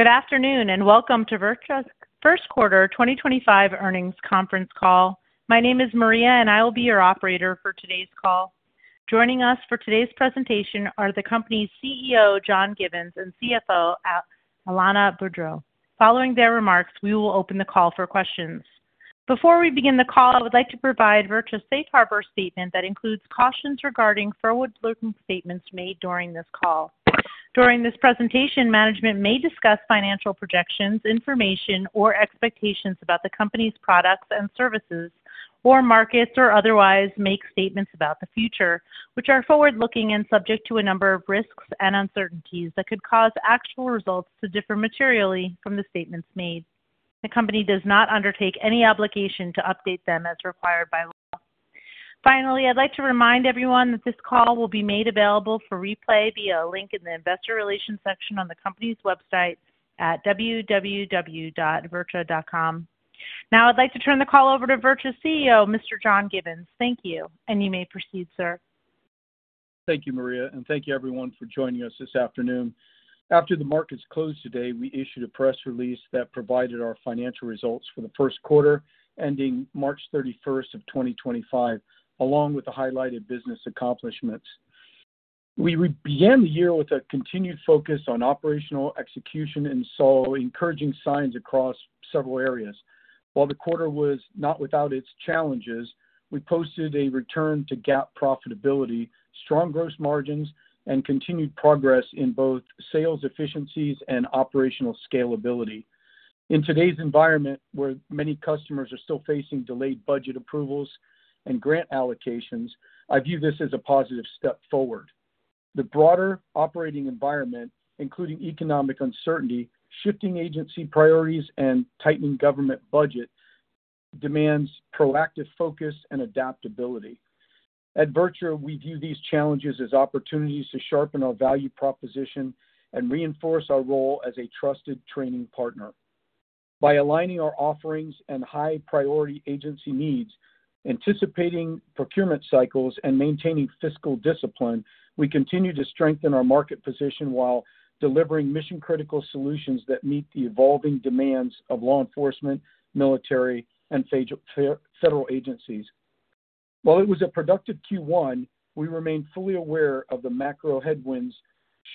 Good afternoon and welcome to VirTra's First Quarter 2025 earnings conference call. My name is Maria, and I will be your operator for today's call. Joining us for today's presentation are the Company's CEO, John Givens, and CFO, Alanna Boudreau. Following their remarks, we will open the call for questions. Before we begin the call, I would like to provide VirTra's safe harbor statement that includes cautions regarding Forward-Looking Statements made during this call. During this presentation, management may discuss Financial Projections, Information, or Expectations about the company's Products and Services, or Markets or otherwise make statements about the future, which are Forward-Looking and subject to a number of Risks and Uncertainties that could cause Actual Results to differ materially from the statements made. The company does not undertake any obligation to update them as required by Law. Finally, I'd like to remind everyone that this call will be made available for replay via a link in the investor relations section on the company's website at www.virtra.com. Now, I'd like to turn the call over to VirTra's CEO, Mr. John Givens. Thank you, and you may proceed, sir. Thank you, Maria, and thank you, everyone, for joining us this afternoon. After the markets closed today, we issued a Press Release that provided our financial results for the first quarter ending March 31st of 2025, along with the highlighted Business Accomplishments. We began the year with a continued focus on Operational Execution and saw encouraging signs across several areas. While the quarter was not without its challenges, we posted a return to GAAP Profitability, strong Gross Margins, and continued progress in both Sales Efficiencies and Operational Scalability. In today's environment, where many customers are still facing delayed Budget Approvals and grant Allocations, I view this as a positive step forward. The broader Operating Environment, including Economic uncertainty, shifting Agency priorities, and tightening Government Budget, demands proactive focus and adaptability. At VirTra, we view these challenges as opportunities to sharpen our value proposition and reinforce our role as a trusted Training Partner. By aligning our offerings and high-priority agency needs, anticipating procurement cycles, and maintaining Fiscal Discipline, we continue to strengthen our market position while delivering mission-critical solutions that meet the evolving demands of Law Enforcement, Military, and Federal Agencies. While it was a productive Q1, we remained fully aware of the Macro headwinds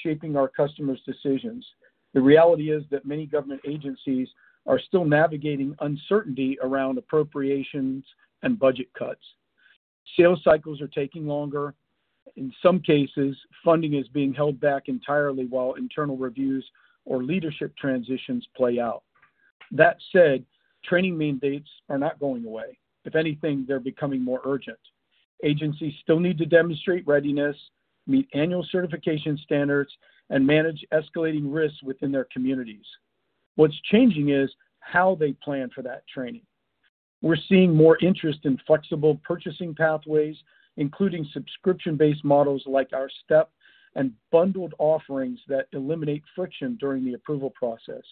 shaping our customers' decisions. The reality is that many Government Agencies are still navigating uncertainty around appropriations and Budget Cuts. Sales Cycles are taking longer. In some cases, funding is being held back entirely while Internal Reviews or Leadership Transitions play out. That said, training mandates are not going away. If anything, they're becoming more urgent. Agencies still need to demonstrate readiness, meet Annual Certification Standards, and manage escalating risks within their communities. What's changing is how they plan for that training. We're seeing more interest in flexible Purchasing Pathways, including Subscription-based Models like our STEP and bundled offerings that eliminate friction during the Approval Process.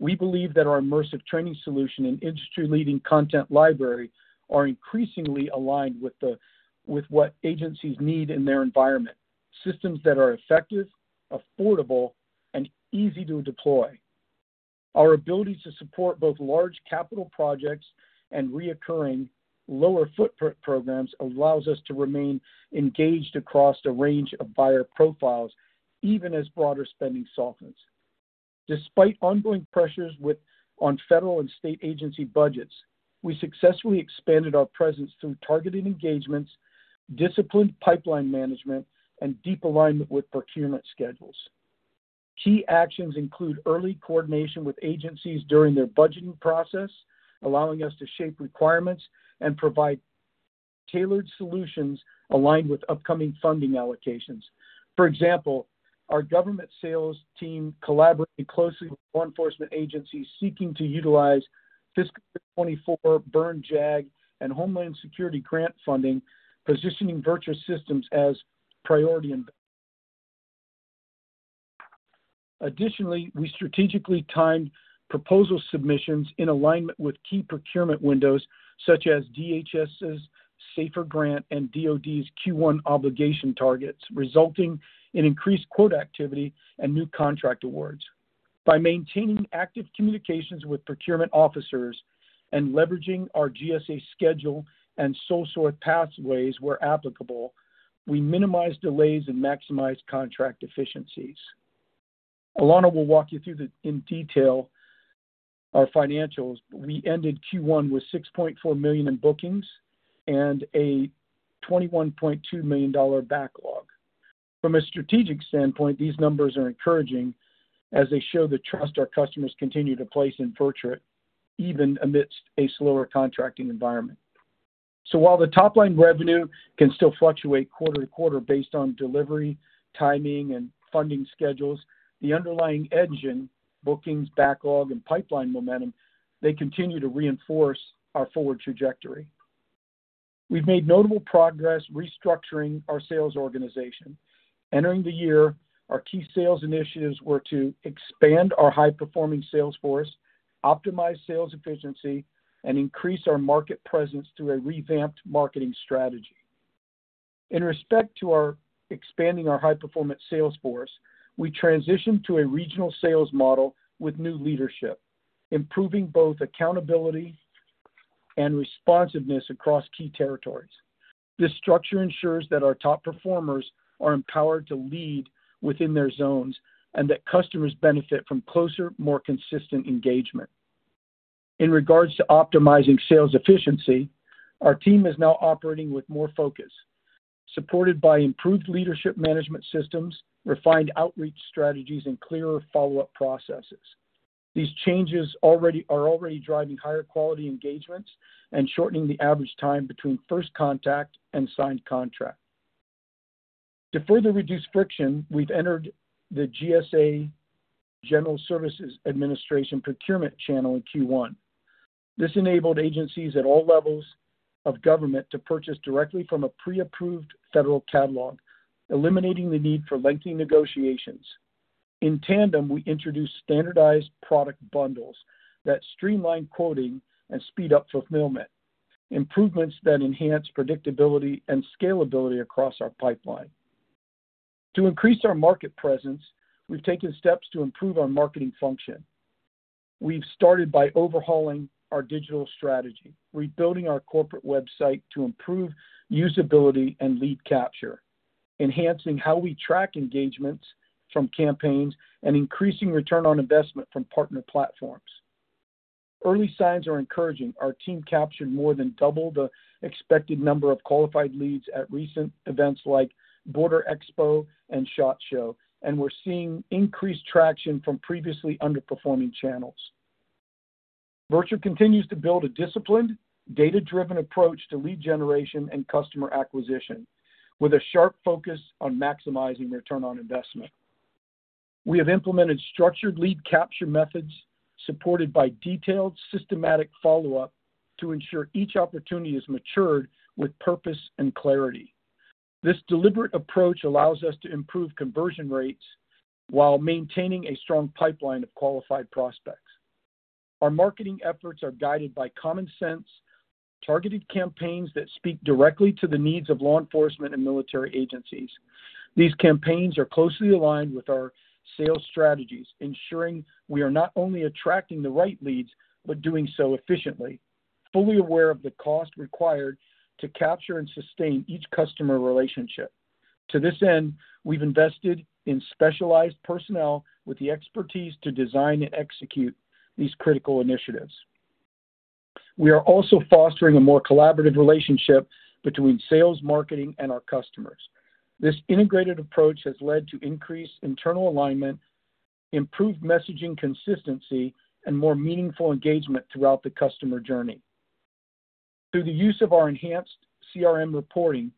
We believe that our immersive training solution and Industry-leading Content Library are increasingly aligned with what Agencies need in their environment: systems that are Effective, Affordable, and easy to Deploy. Our ability to support both large Capital Projects and reoccurring lower-Footprint Programs allows us to remain engaged across a range of buyer profiles, even as broader spending softens. Despite ongoing pressures on Federal and State Agency Budgets, we successfully expanded our presence through targeted engagements, disciplined pipeline management, and deep alignment with procurement schedules. Key actions include early coordination with agencies during their Budgeting Process, allowing us to shape requirements and provide tailored solutions aligned with upcoming Funding Allocations. For example, our Government Sales Team collaborated closely with Law Enforcement Agencies seeking to utilize Fiscal 2024, Byrne JAG, and Homeland Security Grant Funding, positioning VirTra systems as priority Investments. Additionally, we strategically timed proposal submissions in alignment with key procurement windows such as DHS's SAFR grant and DoD's Q1 Obligation Targets, resulting in increased Quote Activity and new Contract Awards. By maintaining active communications with Procurement Officers and leveraging our GSA Schedule and SEWP pathways where applicable, we minimize delays and maximize contract efficiencies. Alanna will walk you through in detail our financials. We ended Q1 with $6.4 million in bookings and a $21.2 million backlog. From a strategic standpoint, these numbers are encouraging as they show the trust our customers continue to place in VirTra, even amidst a slower contracting environment. While the top-line revenue can still fluctuate quarter to quarter based on Delivery, Timing, and Funding schedules, the underlying engine—Bookings, Backlog, and pipeline Momentum—continue to reinforce our Forward Trajectory. We've made notable progress restructuring our Sales Organization. Entering the year, our key sales initiatives were to expand our high-performing Sales Force, optimize Sales Efficiency, and increase our Market presence through a revamped Marketing Strategy. In respect to expanding our high-performance Sales Force, we transitioned to a Regional Sales Model with new Leadership, improving both accountability and responsiveness across key Territories. This structure ensures that our top performers are empowered to lead within their zones and that customers benefit from closer, more consistent engagement. In regards to optimizing Sales Efficiency, our team is now operating with more focus, supported by improved Leadership Management Systems, refined outreach strategies, and clearer follow-up processes. These changes are already driving higher Quality Engagements and shortening the average time between First Contact and Signed Contract. To further reduce friction, we've entered the GSA General Services Administration procurement channel in Q1. This enabled Agencies at all levels of Government to purchase directly from a pre-approved Federal Catalog, eliminating the need for lengthy negotiations. In Tandem, we introduced Standardized Product Bundles that streamline Quoting and speed up Fulfillment, improvements that enhance Predictability and Scalability across our pipeline. To increase our Market Presence, we've taken steps to improve our Marketing Function. We've started by overhauling our Digital Strategy, rebuilding our Corporate Website to improve Usability and Lead Capture, enhancing how we track engagements from campaigns, and increasing Return on Investment from partner platforms. Early signs are encouraging. Our team captured more than double the expected number of Qualified Leads at recent events like Border Expo and SHOT Show, and we're seeing increased traction from previously underperforming channels. VirTra continues to build a disciplined, data-driven approach to Lead Generation and Customer Acquisition, with a sharp focus on maximizing Return on Investment. We have implemented structured lead capture methods supported by detailed, systematic follow-up to ensure each opportunity is matured with purpose and clarity. This deliberate approach allows us to improve Conversion Rates while maintaining a strong pipeline of qualified prospects. Our Marketing Efforts are guided by common sense, targeted campaigns that speak directly to the needs of Law Enforcement and Military Agencies. These campaigns are closely aligned with our Sales Strategies, ensuring we are not only attracting the right leads but doing so efficiently, fully aware of the cost required to capture and sustain each customer relationship. To this end, we've invested in specialized personnel with the expertise to design and execute these critical initiatives. We are also fostering a more collaborative relationship between Sales, Marketing, and our Customers. This integrated approach has led to increased internal alignment, improved messaging consistency, and more meaningful engagement throughout the Customer Journey. Through the use of our enhanced CRM Reporting,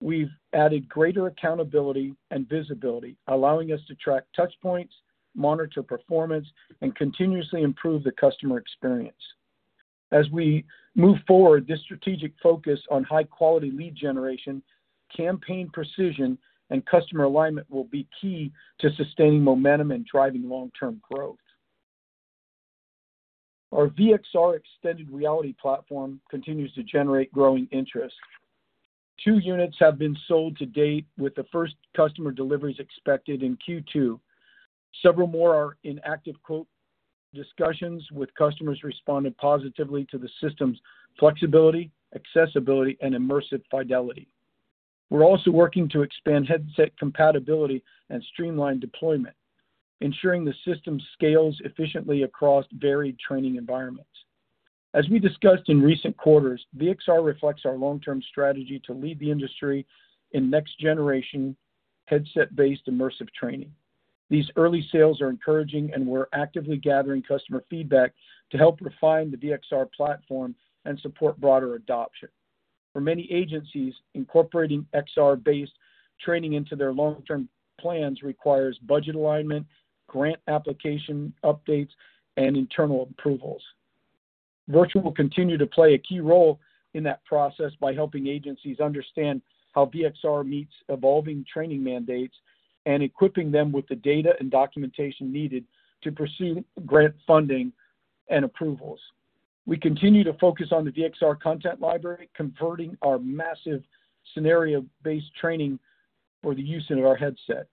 we've added greater Accountability and Visibility, allowing us to track touchpoints, monitor Performance, and continuously improve the Customer Experience. As we move forward, this strategic focus on high-quality Lead Generation, Campaign Precision, and Customer Alignment will be key to sustaining momentum and driving long-term growth. Our V-XR extended reality platform continues to generate Growing Interest. Two units have been sold to date, with the first customer deliveries expected in Q2. Several more are in active quote discussions, with customers responding positively to the system's Flexibility, Accessibility, and immersive Fidelity. We're also working to expand headset Compatibility and streamline Deployment, ensuring the system scales efficiently across varied Training Environments. As we discussed in recent quarters, V-XR reflects our long-term strategy to lead the industry in Next-Generation headset-based Immersive Training. These early sales are encouraging, and we're actively gathering customer feedback to help refine the V-XR platform and support broader adoption. For many agencies, incorporating XR-based training into their long-term plans requires Budget Alignment, grant Application Updates, and Internal Approvals. VirTra will continue to play a key role in that process by helping Agencies understand how V-XR meets evolving training mandates and equipping them with the Data and Documentation needed to pursue grant funding and approvals. We continue to focus on the V-XR Content Library, converting our massive scenario-based training for the use of our headset.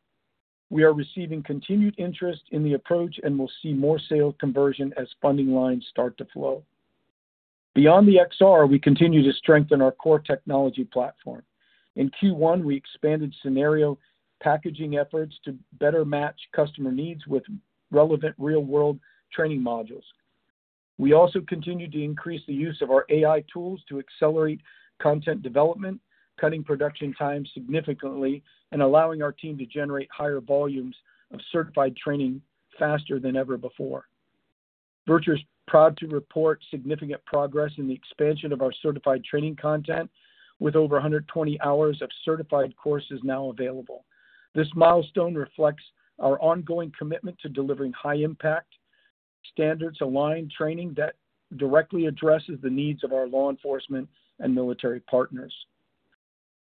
We are receiving continued interest in the approach and will see more sales conversion as funding lines start to flow. Beyond V-XR, we continue to strengthen our Core Technology Platform. In Q1, we expanded scenario packaging efforts to better match customer needs with relevant Real-world Training Modules. We also continue to increase the use of our AI Tools to accelerate content development, cutting production time significantly and allowing our team to generate higher volumes of Certified Training faster than ever before. VirTra is proud to report significant progress in the expansion of our Certified Training Content, with over 120 hours of Certified Courses now available. This milestone reflects our ongoing commitment to delivering high-impact Standards-Aligned Training that directly addresses the needs of our Law Enforcement and Military Partners.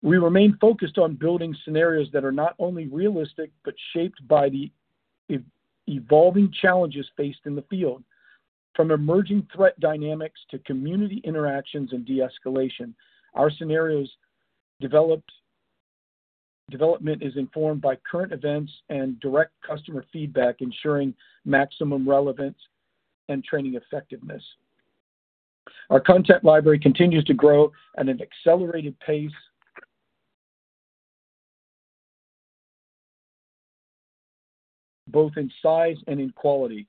We remain focused on building scenarios that are not only realistic but shaped by the evolving challenges faced in the field. From emerging threat dynamics to community interactions and de-escalation, our scenarios development is informed by Current Events and Direct Customer Feedback, ensuring maximum relevance and training effectiveness. Our content library continues to grow at an accelerated pace, both in size and in quality,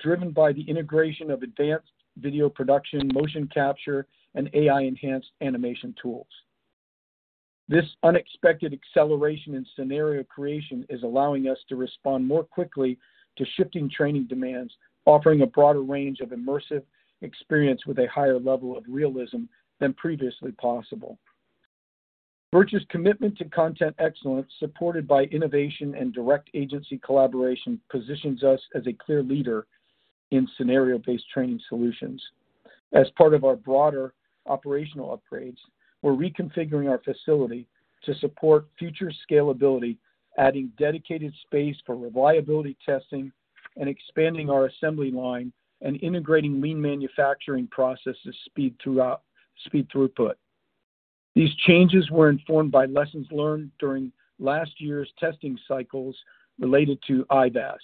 driven by the integration of Advanced Video Production, Motion Capture, and AI-enhanced Animation Tools. This unexpected acceleration in scenario creation is allowing us to respond more quickly to shifting training demands, offering a broader range of immersive experience with a higher level of realism than previously possible. VirTra's commitment to content excellence, supported by Innovation and Direct Agency Collaboration, positions us as a clear leader in scenario-based training solutions. As part of our broader operational upgrades, we're reconfiguring our facility to support future scalability, adding dedicated space for reliability testing, and expanding our assembly line and integrating lean manufacturing processes to speed throughput. These changes were informed by lessons learned during last year's Testing Cycles related to IVAS,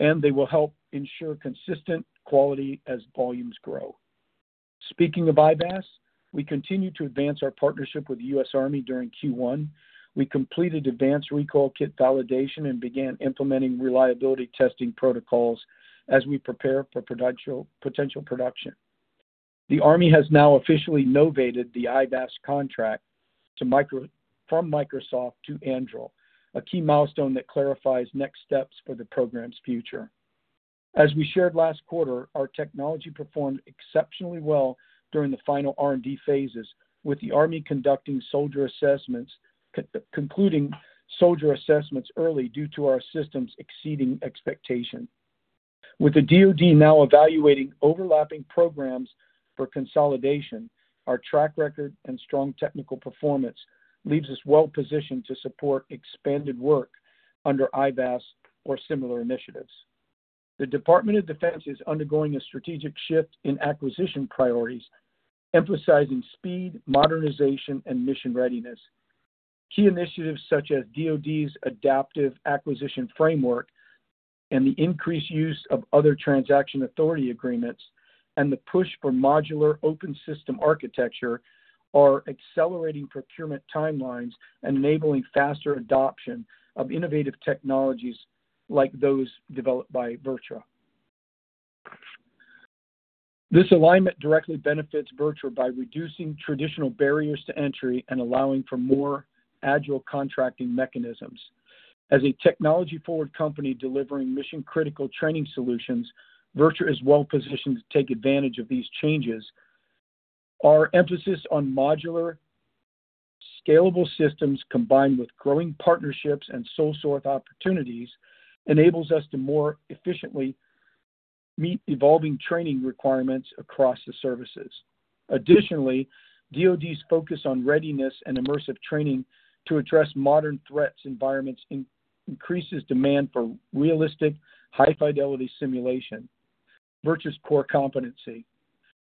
and they will help ensure consistent quality as volumes grow. Speaking of IVAS, we continue to advance our partnership with the U.S. Army during Q1. We completed advanced recall kit validation and began implementing reliability Testing Protocols as we prepare for potential production. The Army has now officially novated the IVAS Contract from Microsoft to Anduril, a key milestone that clarifies next steps for the Program's Future. As we shared last quarter, our technology performed exceptionally well during the final R&D phases, with the Army conducting Soldier Assessments, concluding Soldier Assessments early due to our systems exceeding expectations. With the DoD now evaluating overlapping programs for consolidation, our track record and strong technical performance leaves us well-positioned to support expanded work under IVAS or similar initiatives. The Department of Defense is undergoing a strategic shift in acquisition priorities, emphasizing Speed, Modernization, and Mission Readiness. Key initiatives such as DoD's Adaptive Acquisition Framework and the increased use of Other Transaction Authority Agreements and the push for Modular Open System Architecture are accelerating procurement timelines and enabling faster adoption of innovative technologies like those developed by VirTra. This alignment directly benefits VirTra by reducing traditional barriers to entry and allowing for more agile contracting mechanisms. As a Technology-forward company delivering mission-critical training solutions, VirTra is well-positioned to take advantage of these changes. Our emphasis on modular, scalable systems combined with growing partnerships and SEWP opportunities enables us to more efficiently meet evolving training requirements across the services. Additionally, DoD's focus on readiness and immersive training to address modern threats environments increases demand for realistic, high-fidelity simulation, VirTra's core competency.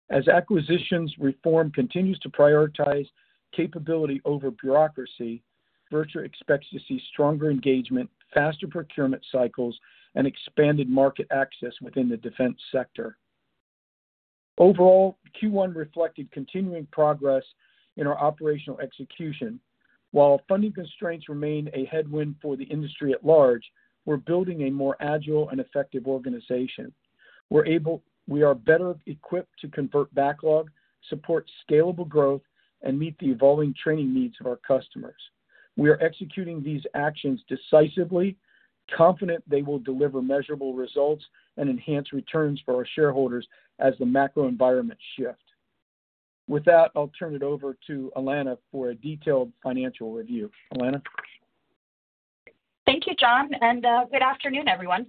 As acquisitions reform continues to prioritize Capability over Bureaucracy, VirTra expects to see stronger engagement, faster procurement cycles, and expanded market access within the defense sector. Overall, Q1 reflected continuing progress in our operational execution. While funding constraints remain a headwind for the industry at large, we're building a more agile and effective organization. We are better equipped to convert backlog, support scalable growth, and meet the evolving training needs of our customers. We are executing these actions decisively, confident they will deliver measurable results and enhance returns for our shareholders as the macro environment shifts. With that, I'll turn it over to Alanna for a detailed financial review. Alanna. Thank you, John, and good afternoon, everyone.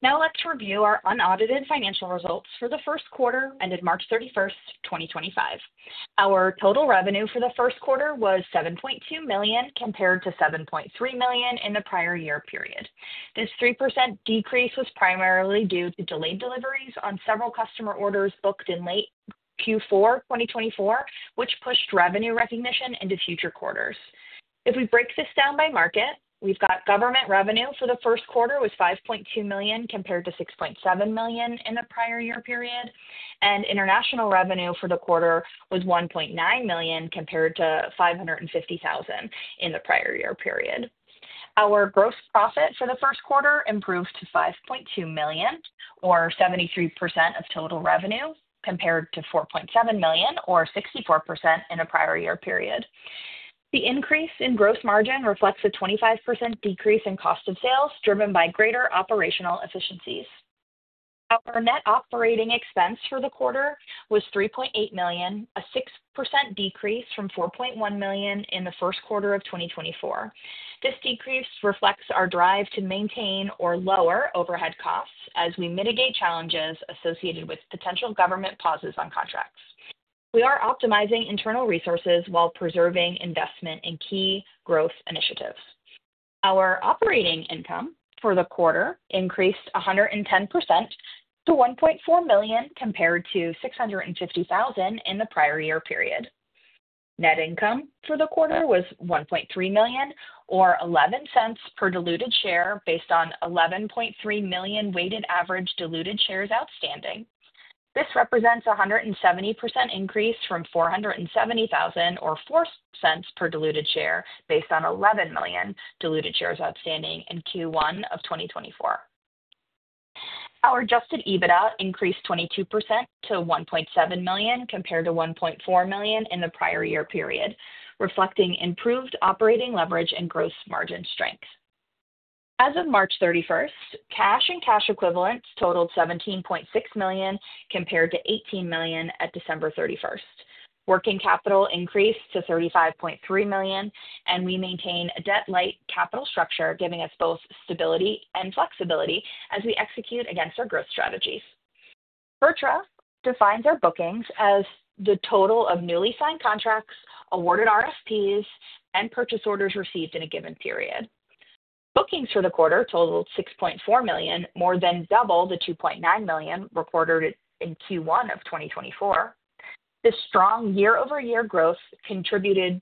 Now let's review our unaudited Financial Results for the first quarter ended March 31st, 2025. Our Total Revenue for the first quarter was $7.2 million compared to $7.3 million in the prior year period. This 3% decrease was primarily due to delayed deliveries on several customer orders booked in late Q4 2024, which pushed revenue recognition into future quarters. If we break this down by market, we've got Government Revenue for the first quarter was $5.2 million compared to $6.7 million in the prior year period, and International Revenue for the quarter was $1.9 million compared to $550,000 in the prior year period. Our Gross Profit for the first quarter improved to $5.2 million, or 73% of Total Revenue, compared to $4.7 million, or 64% in a prior year period. The increase in gross margin reflects a 25% decrease in cost of sales driven by greater Operational Efficiencies. Our Net Operating Expense for the quarter was $3.8 million, a 6% decrease from $4.1 million in the first quarter of 2024. This decrease reflects our drive to maintain or lower overhead costs as we mitigate challenges associated with potential Government pauses on contracts. We are optimizing internal resources while preserving investment in key growth initiatives. Our Operating Income for the quarter increased 110% to $1.4 million compared to $650,000 in the prior year period. Net Income for the quarter was $1.3 million, or $0.11 per diluted share based on 11.3 million weighted average diluted shares outstanding. This represents a 170% increase from $470,000, or $0.04 per diluted share based on 11 million diluted shares outstanding in Q1 of 2024. Our Adjusted EBITDA increased 22% to $1.7 million compared to $1.4 million in the prior year period, reflecting improved Operating Leverage and Gross Margin strength. As of March 31st, Cash and Cash Equivalents totaled $17.6 million compared to $18 million at December 31st. Working Capital increased to $35.3 million, and we maintain a debt-light capital structure, giving us both stability and flexibility as we execute against our Growth Strategies. VirTra defines our bookings as the total of newly Signed Contracts, awarded RFPs, and purchase orders received in a given period. Bookings for the quarter totaled $6.4 million, more than double the $2.9 million recorded in Q1 of 2024. This strong year-over-year growth contributed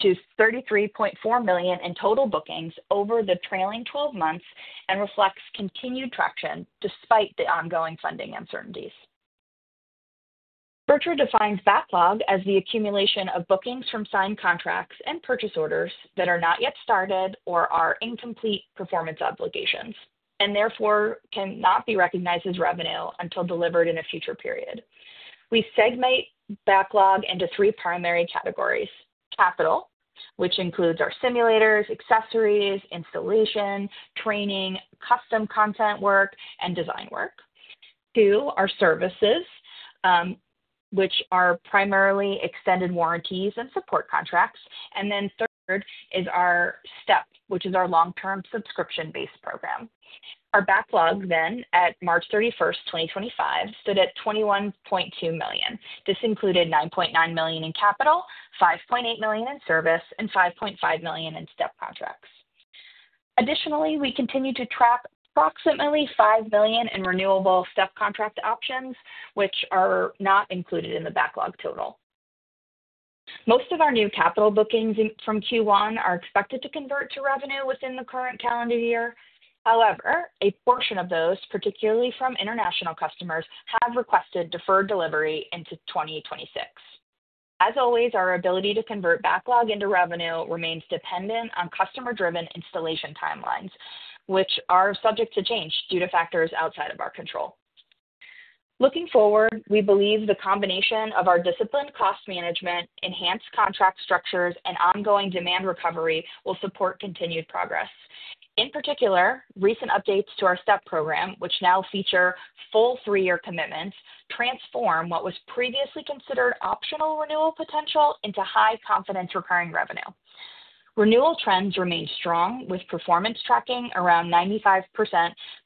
to $33.4 million in total bookings over the trailing 12 months and reflects continued traction despite the ongoing funding uncertainties. VirTra defines backlog as the accumulation of bookings from Signed Contracts and purchase orders that are not yet started or are incomplete performance obligations and therefore cannot be recognized as revenue until delivered in a Future Period. We segment backlog into three primary categories: Capital, which includes our Simulators, Accessories, Installation, Training, Custom Content Work, and Design Work; two, our Services, which are primarily extended Warranties and support Contracts; and then third is our STEP, which is our long-term Subscription-based Program. Our backlog then at March 31, 2025, stood at $21.2 million. This included $9.9 million in capital, $5.8 million in service, and $5.5 million in STEP Contracts. Additionally, we continue to track approximately $5 million in renewable STEP Contract options, which are not included in the backlog total. Most of our new capital bookings from Q1 are expected to convert to revenue within the current calendar year. However, a portion of those, particularly from International Customers, have requested deferred delivery into 2026. As always, our ability to convert backlog into revenue remains dependent on customer-driven Installation Timelines, which are subject to change due to factors outside of our control. Looking forward, we believe the combination of our disciplined cost management, enhanced contract structures, and ongoing demand recovery will support continued progress. In particular, recent updates to our STEP Program, which now feature full three-year commitments, transform what was previously considered optional renewal potential into high confidence-requiring revenue. Renewal trends remain strong, with performance tracking around 95%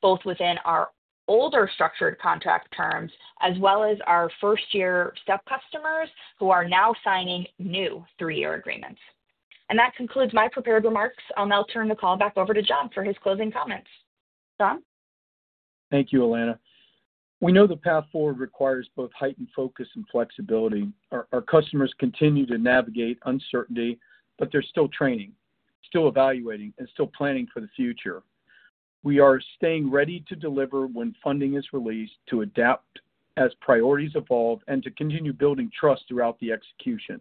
both within our older structured contract terms as well as our first-year STEP Customers who are now signing new three-year agreements. That concludes my prepared remarks. I'll now turn the call back over to John for his closing comments. John? Thank you, Alanna. We know the path forward requires both heightened focus and flexibility. Our customers continue to navigate uncertainty, but they're still training, still evaluating, and still planning for the future. We are staying ready to deliver when funding is released to adapt as priorities evolve and to continue building trust throughout the execution.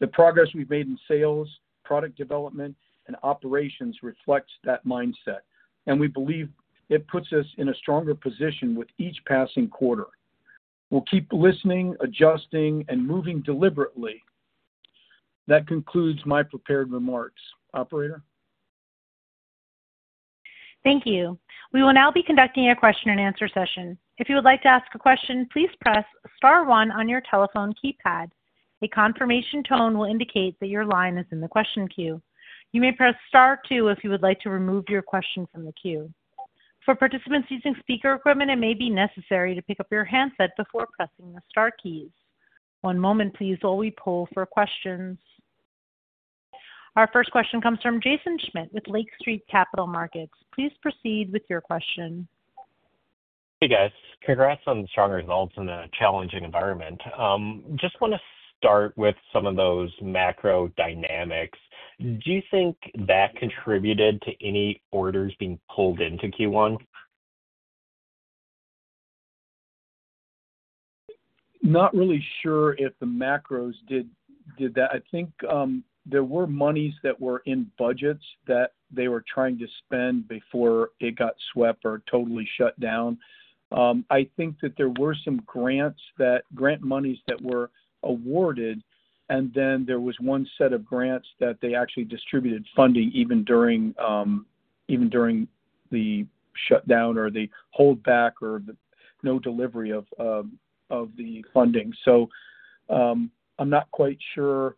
The progress we've made in sales, product development, and operations reflects that mindset, and we believe it puts us in a stronger position with each passing quarter. We'll keep listening, adjusting, and moving deliberately. That concludes my prepared remarks. Operator? Thank you. We will now be conducting a question-and-answer session. If you would like to ask a question, please press star one on your telephone keypad. A confirmation tone will indicate that your line is in the question queue. You may press star two if you would like to remove your question from the queue. For participants using speaker equipment, it may be necessary to pick up your handset before pressing the star keys. One moment, please, while we poll for questions. Our first question comes from Jaeson Schmidt with Lake Street Capital Markets. Please proceed with your question. Hey, guys. Congrats on the strong results in a challenging environment. Just want to start with some of those Macro Dynamics. Do you think that contributed to any orders being pulled into Q1? Not really sure if the macros did that. I think there were monies that were in budgets that they were trying to spend before it got swept or totally shut down. I think that there were some grant monies that were awarded, and then there was one set of grants that they actually distributed funding even during the shutdown or the holdback or no delivery of the funding. So I'm not quite sure.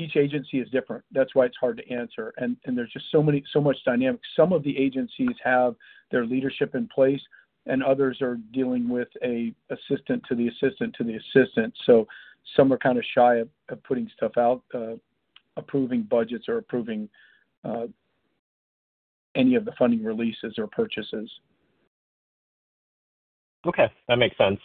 Each Agency is different. That's why it's hard to answer. There's just so much dynamic. Some of the agencies have their leadership in place, and others are dealing with an assistant to the assistant to the assistant. Some are kind of shy of putting stuff out, approving budgets or approving any of the funding releases or purchases. Okay. That makes sense.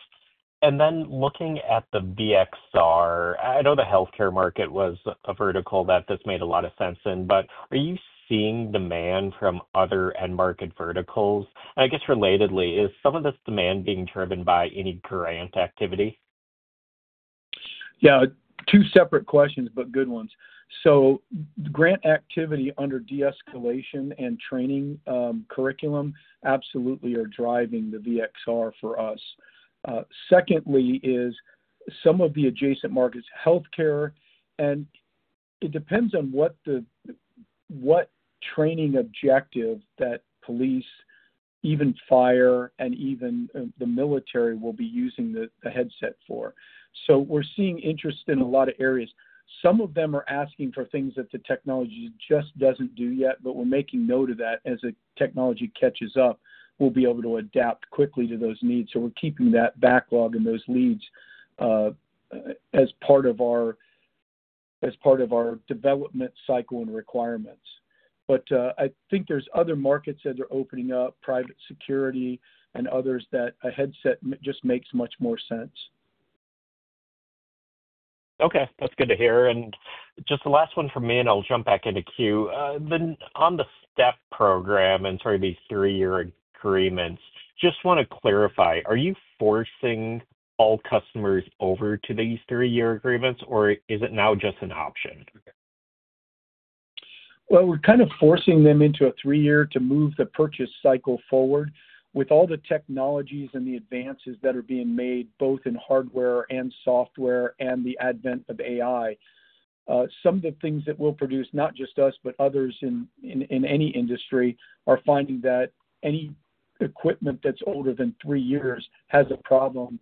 Looking at the V-XR, I know the healthcare market was a vertical that this made a lot of sense in, but are you seeing demand from other End Market Verticals? I guess relatedly, is some of this demand being driven by any grant activity? Yeah. Two separate questions, but good ones. Grant activity under de-escalation and training curriculum absolutely are driving the V-XR for us. Secondly is some of the adjacent markets, healthcare, and it depends on what training objective that police, even fire, and even the military will be using the headset for. We are seeing interest in a lot of areas. Some of them are asking for things that the technology just does not do yet, but we are making note of that as the technology catches up, we will be able to adapt quickly to those needs. We are keeping that backlog and those leads as part of our Development Cycle and Requirements. I think there are other markets that are opening up, Private Security and others that a headset just makes much more sense. Okay. That is good to hear. Just the last one for me, and I will jump back into queue. On the STEP Program and sort of these three-year agreements, just want to clarify. Are you forcing all customers over to these three-year agreements, or is it now just an option? We're kind of forcing them into a three-year to move the Purchase Cycle forward with all the technologies and the advances that are being made both in Hardware and Software and the Advent of AI. Some of the things that we'll produce, not just us, but others in any industry, are finding that any equipment that's older than three years has a problem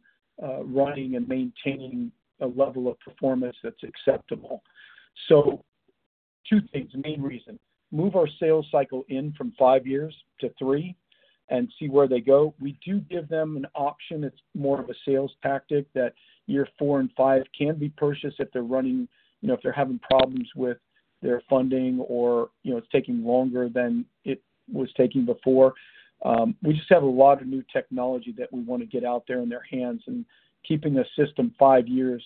running and maintaining a level of performance that's acceptable. Two things. Main reason. Move our Sales Cycle in from five years to three and see where they go. We do give them an option. It's more of a sales tactic that year four and five can be purchased if they're running, if they're having problems with their funding or it's taking longer than it was taking before. We just have a lot of new technology that we want to get out there in their hands. Keeping a system five years,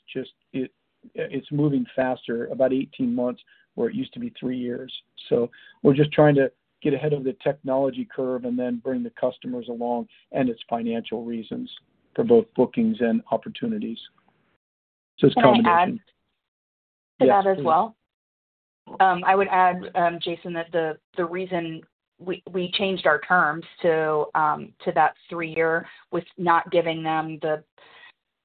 it's moving faster, about 18 months, where it used to be three years. We are just trying to get ahead of the technology curve and then bring the customers along and its financial reasons for both bookings and opportunities. It is a combination. I would add to that as well. I would add, Jaeson, that the reason we changed our terms to that three-year was not giving them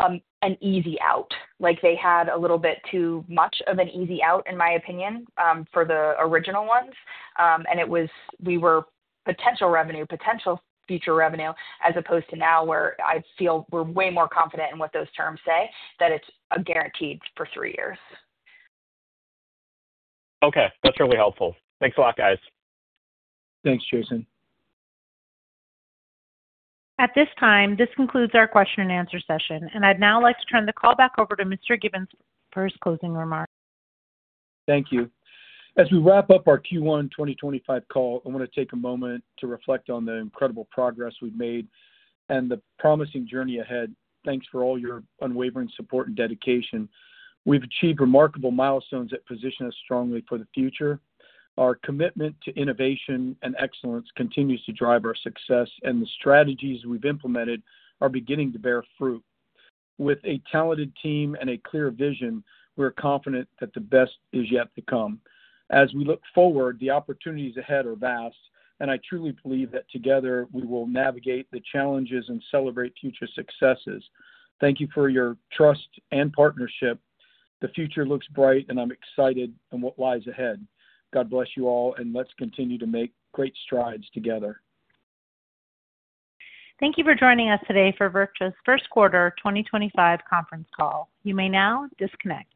an easy out. They had a little bit too much of an easy out, in my opinion, for the original ones. We were potential revenue, potential Future Revenue, as opposed to now where I feel we are way more confident in what those terms say, that it is guaranteed for three years. Okay. That is really helpful. Thanks a lot, guys. Thanks, Jaeson. At this time, this concludes our question-and-answer session. I'd now like to turn the call back over to Mr. Givens for his closing remarks. Thank you. As we wrap up our Q1 2025 call, I want to take a moment to reflect on the incredible progress we've made and the promising journey ahead. Thanks for all your unwavering support and dedication. We've achieved remarkable milestones that position us strongly for the future. Our commitment to innovation and excellence continues to drive our success, and the strategies we've implemented are beginning to bear fruit. With a talented team and a clear vision, we're confident that the best is yet to come. As we look forward, the opportunities ahead are vast, and I truly believe that together we will navigate the challenges and celebrate future successes. Thank you for your trust and partnership. The future looks bright, and I'm excited in what lies ahead. God bless you all, and let's continue to make great strides together. Thank you for joining us today for VirTra's first quarter 2025 conference call. You may now disconnect.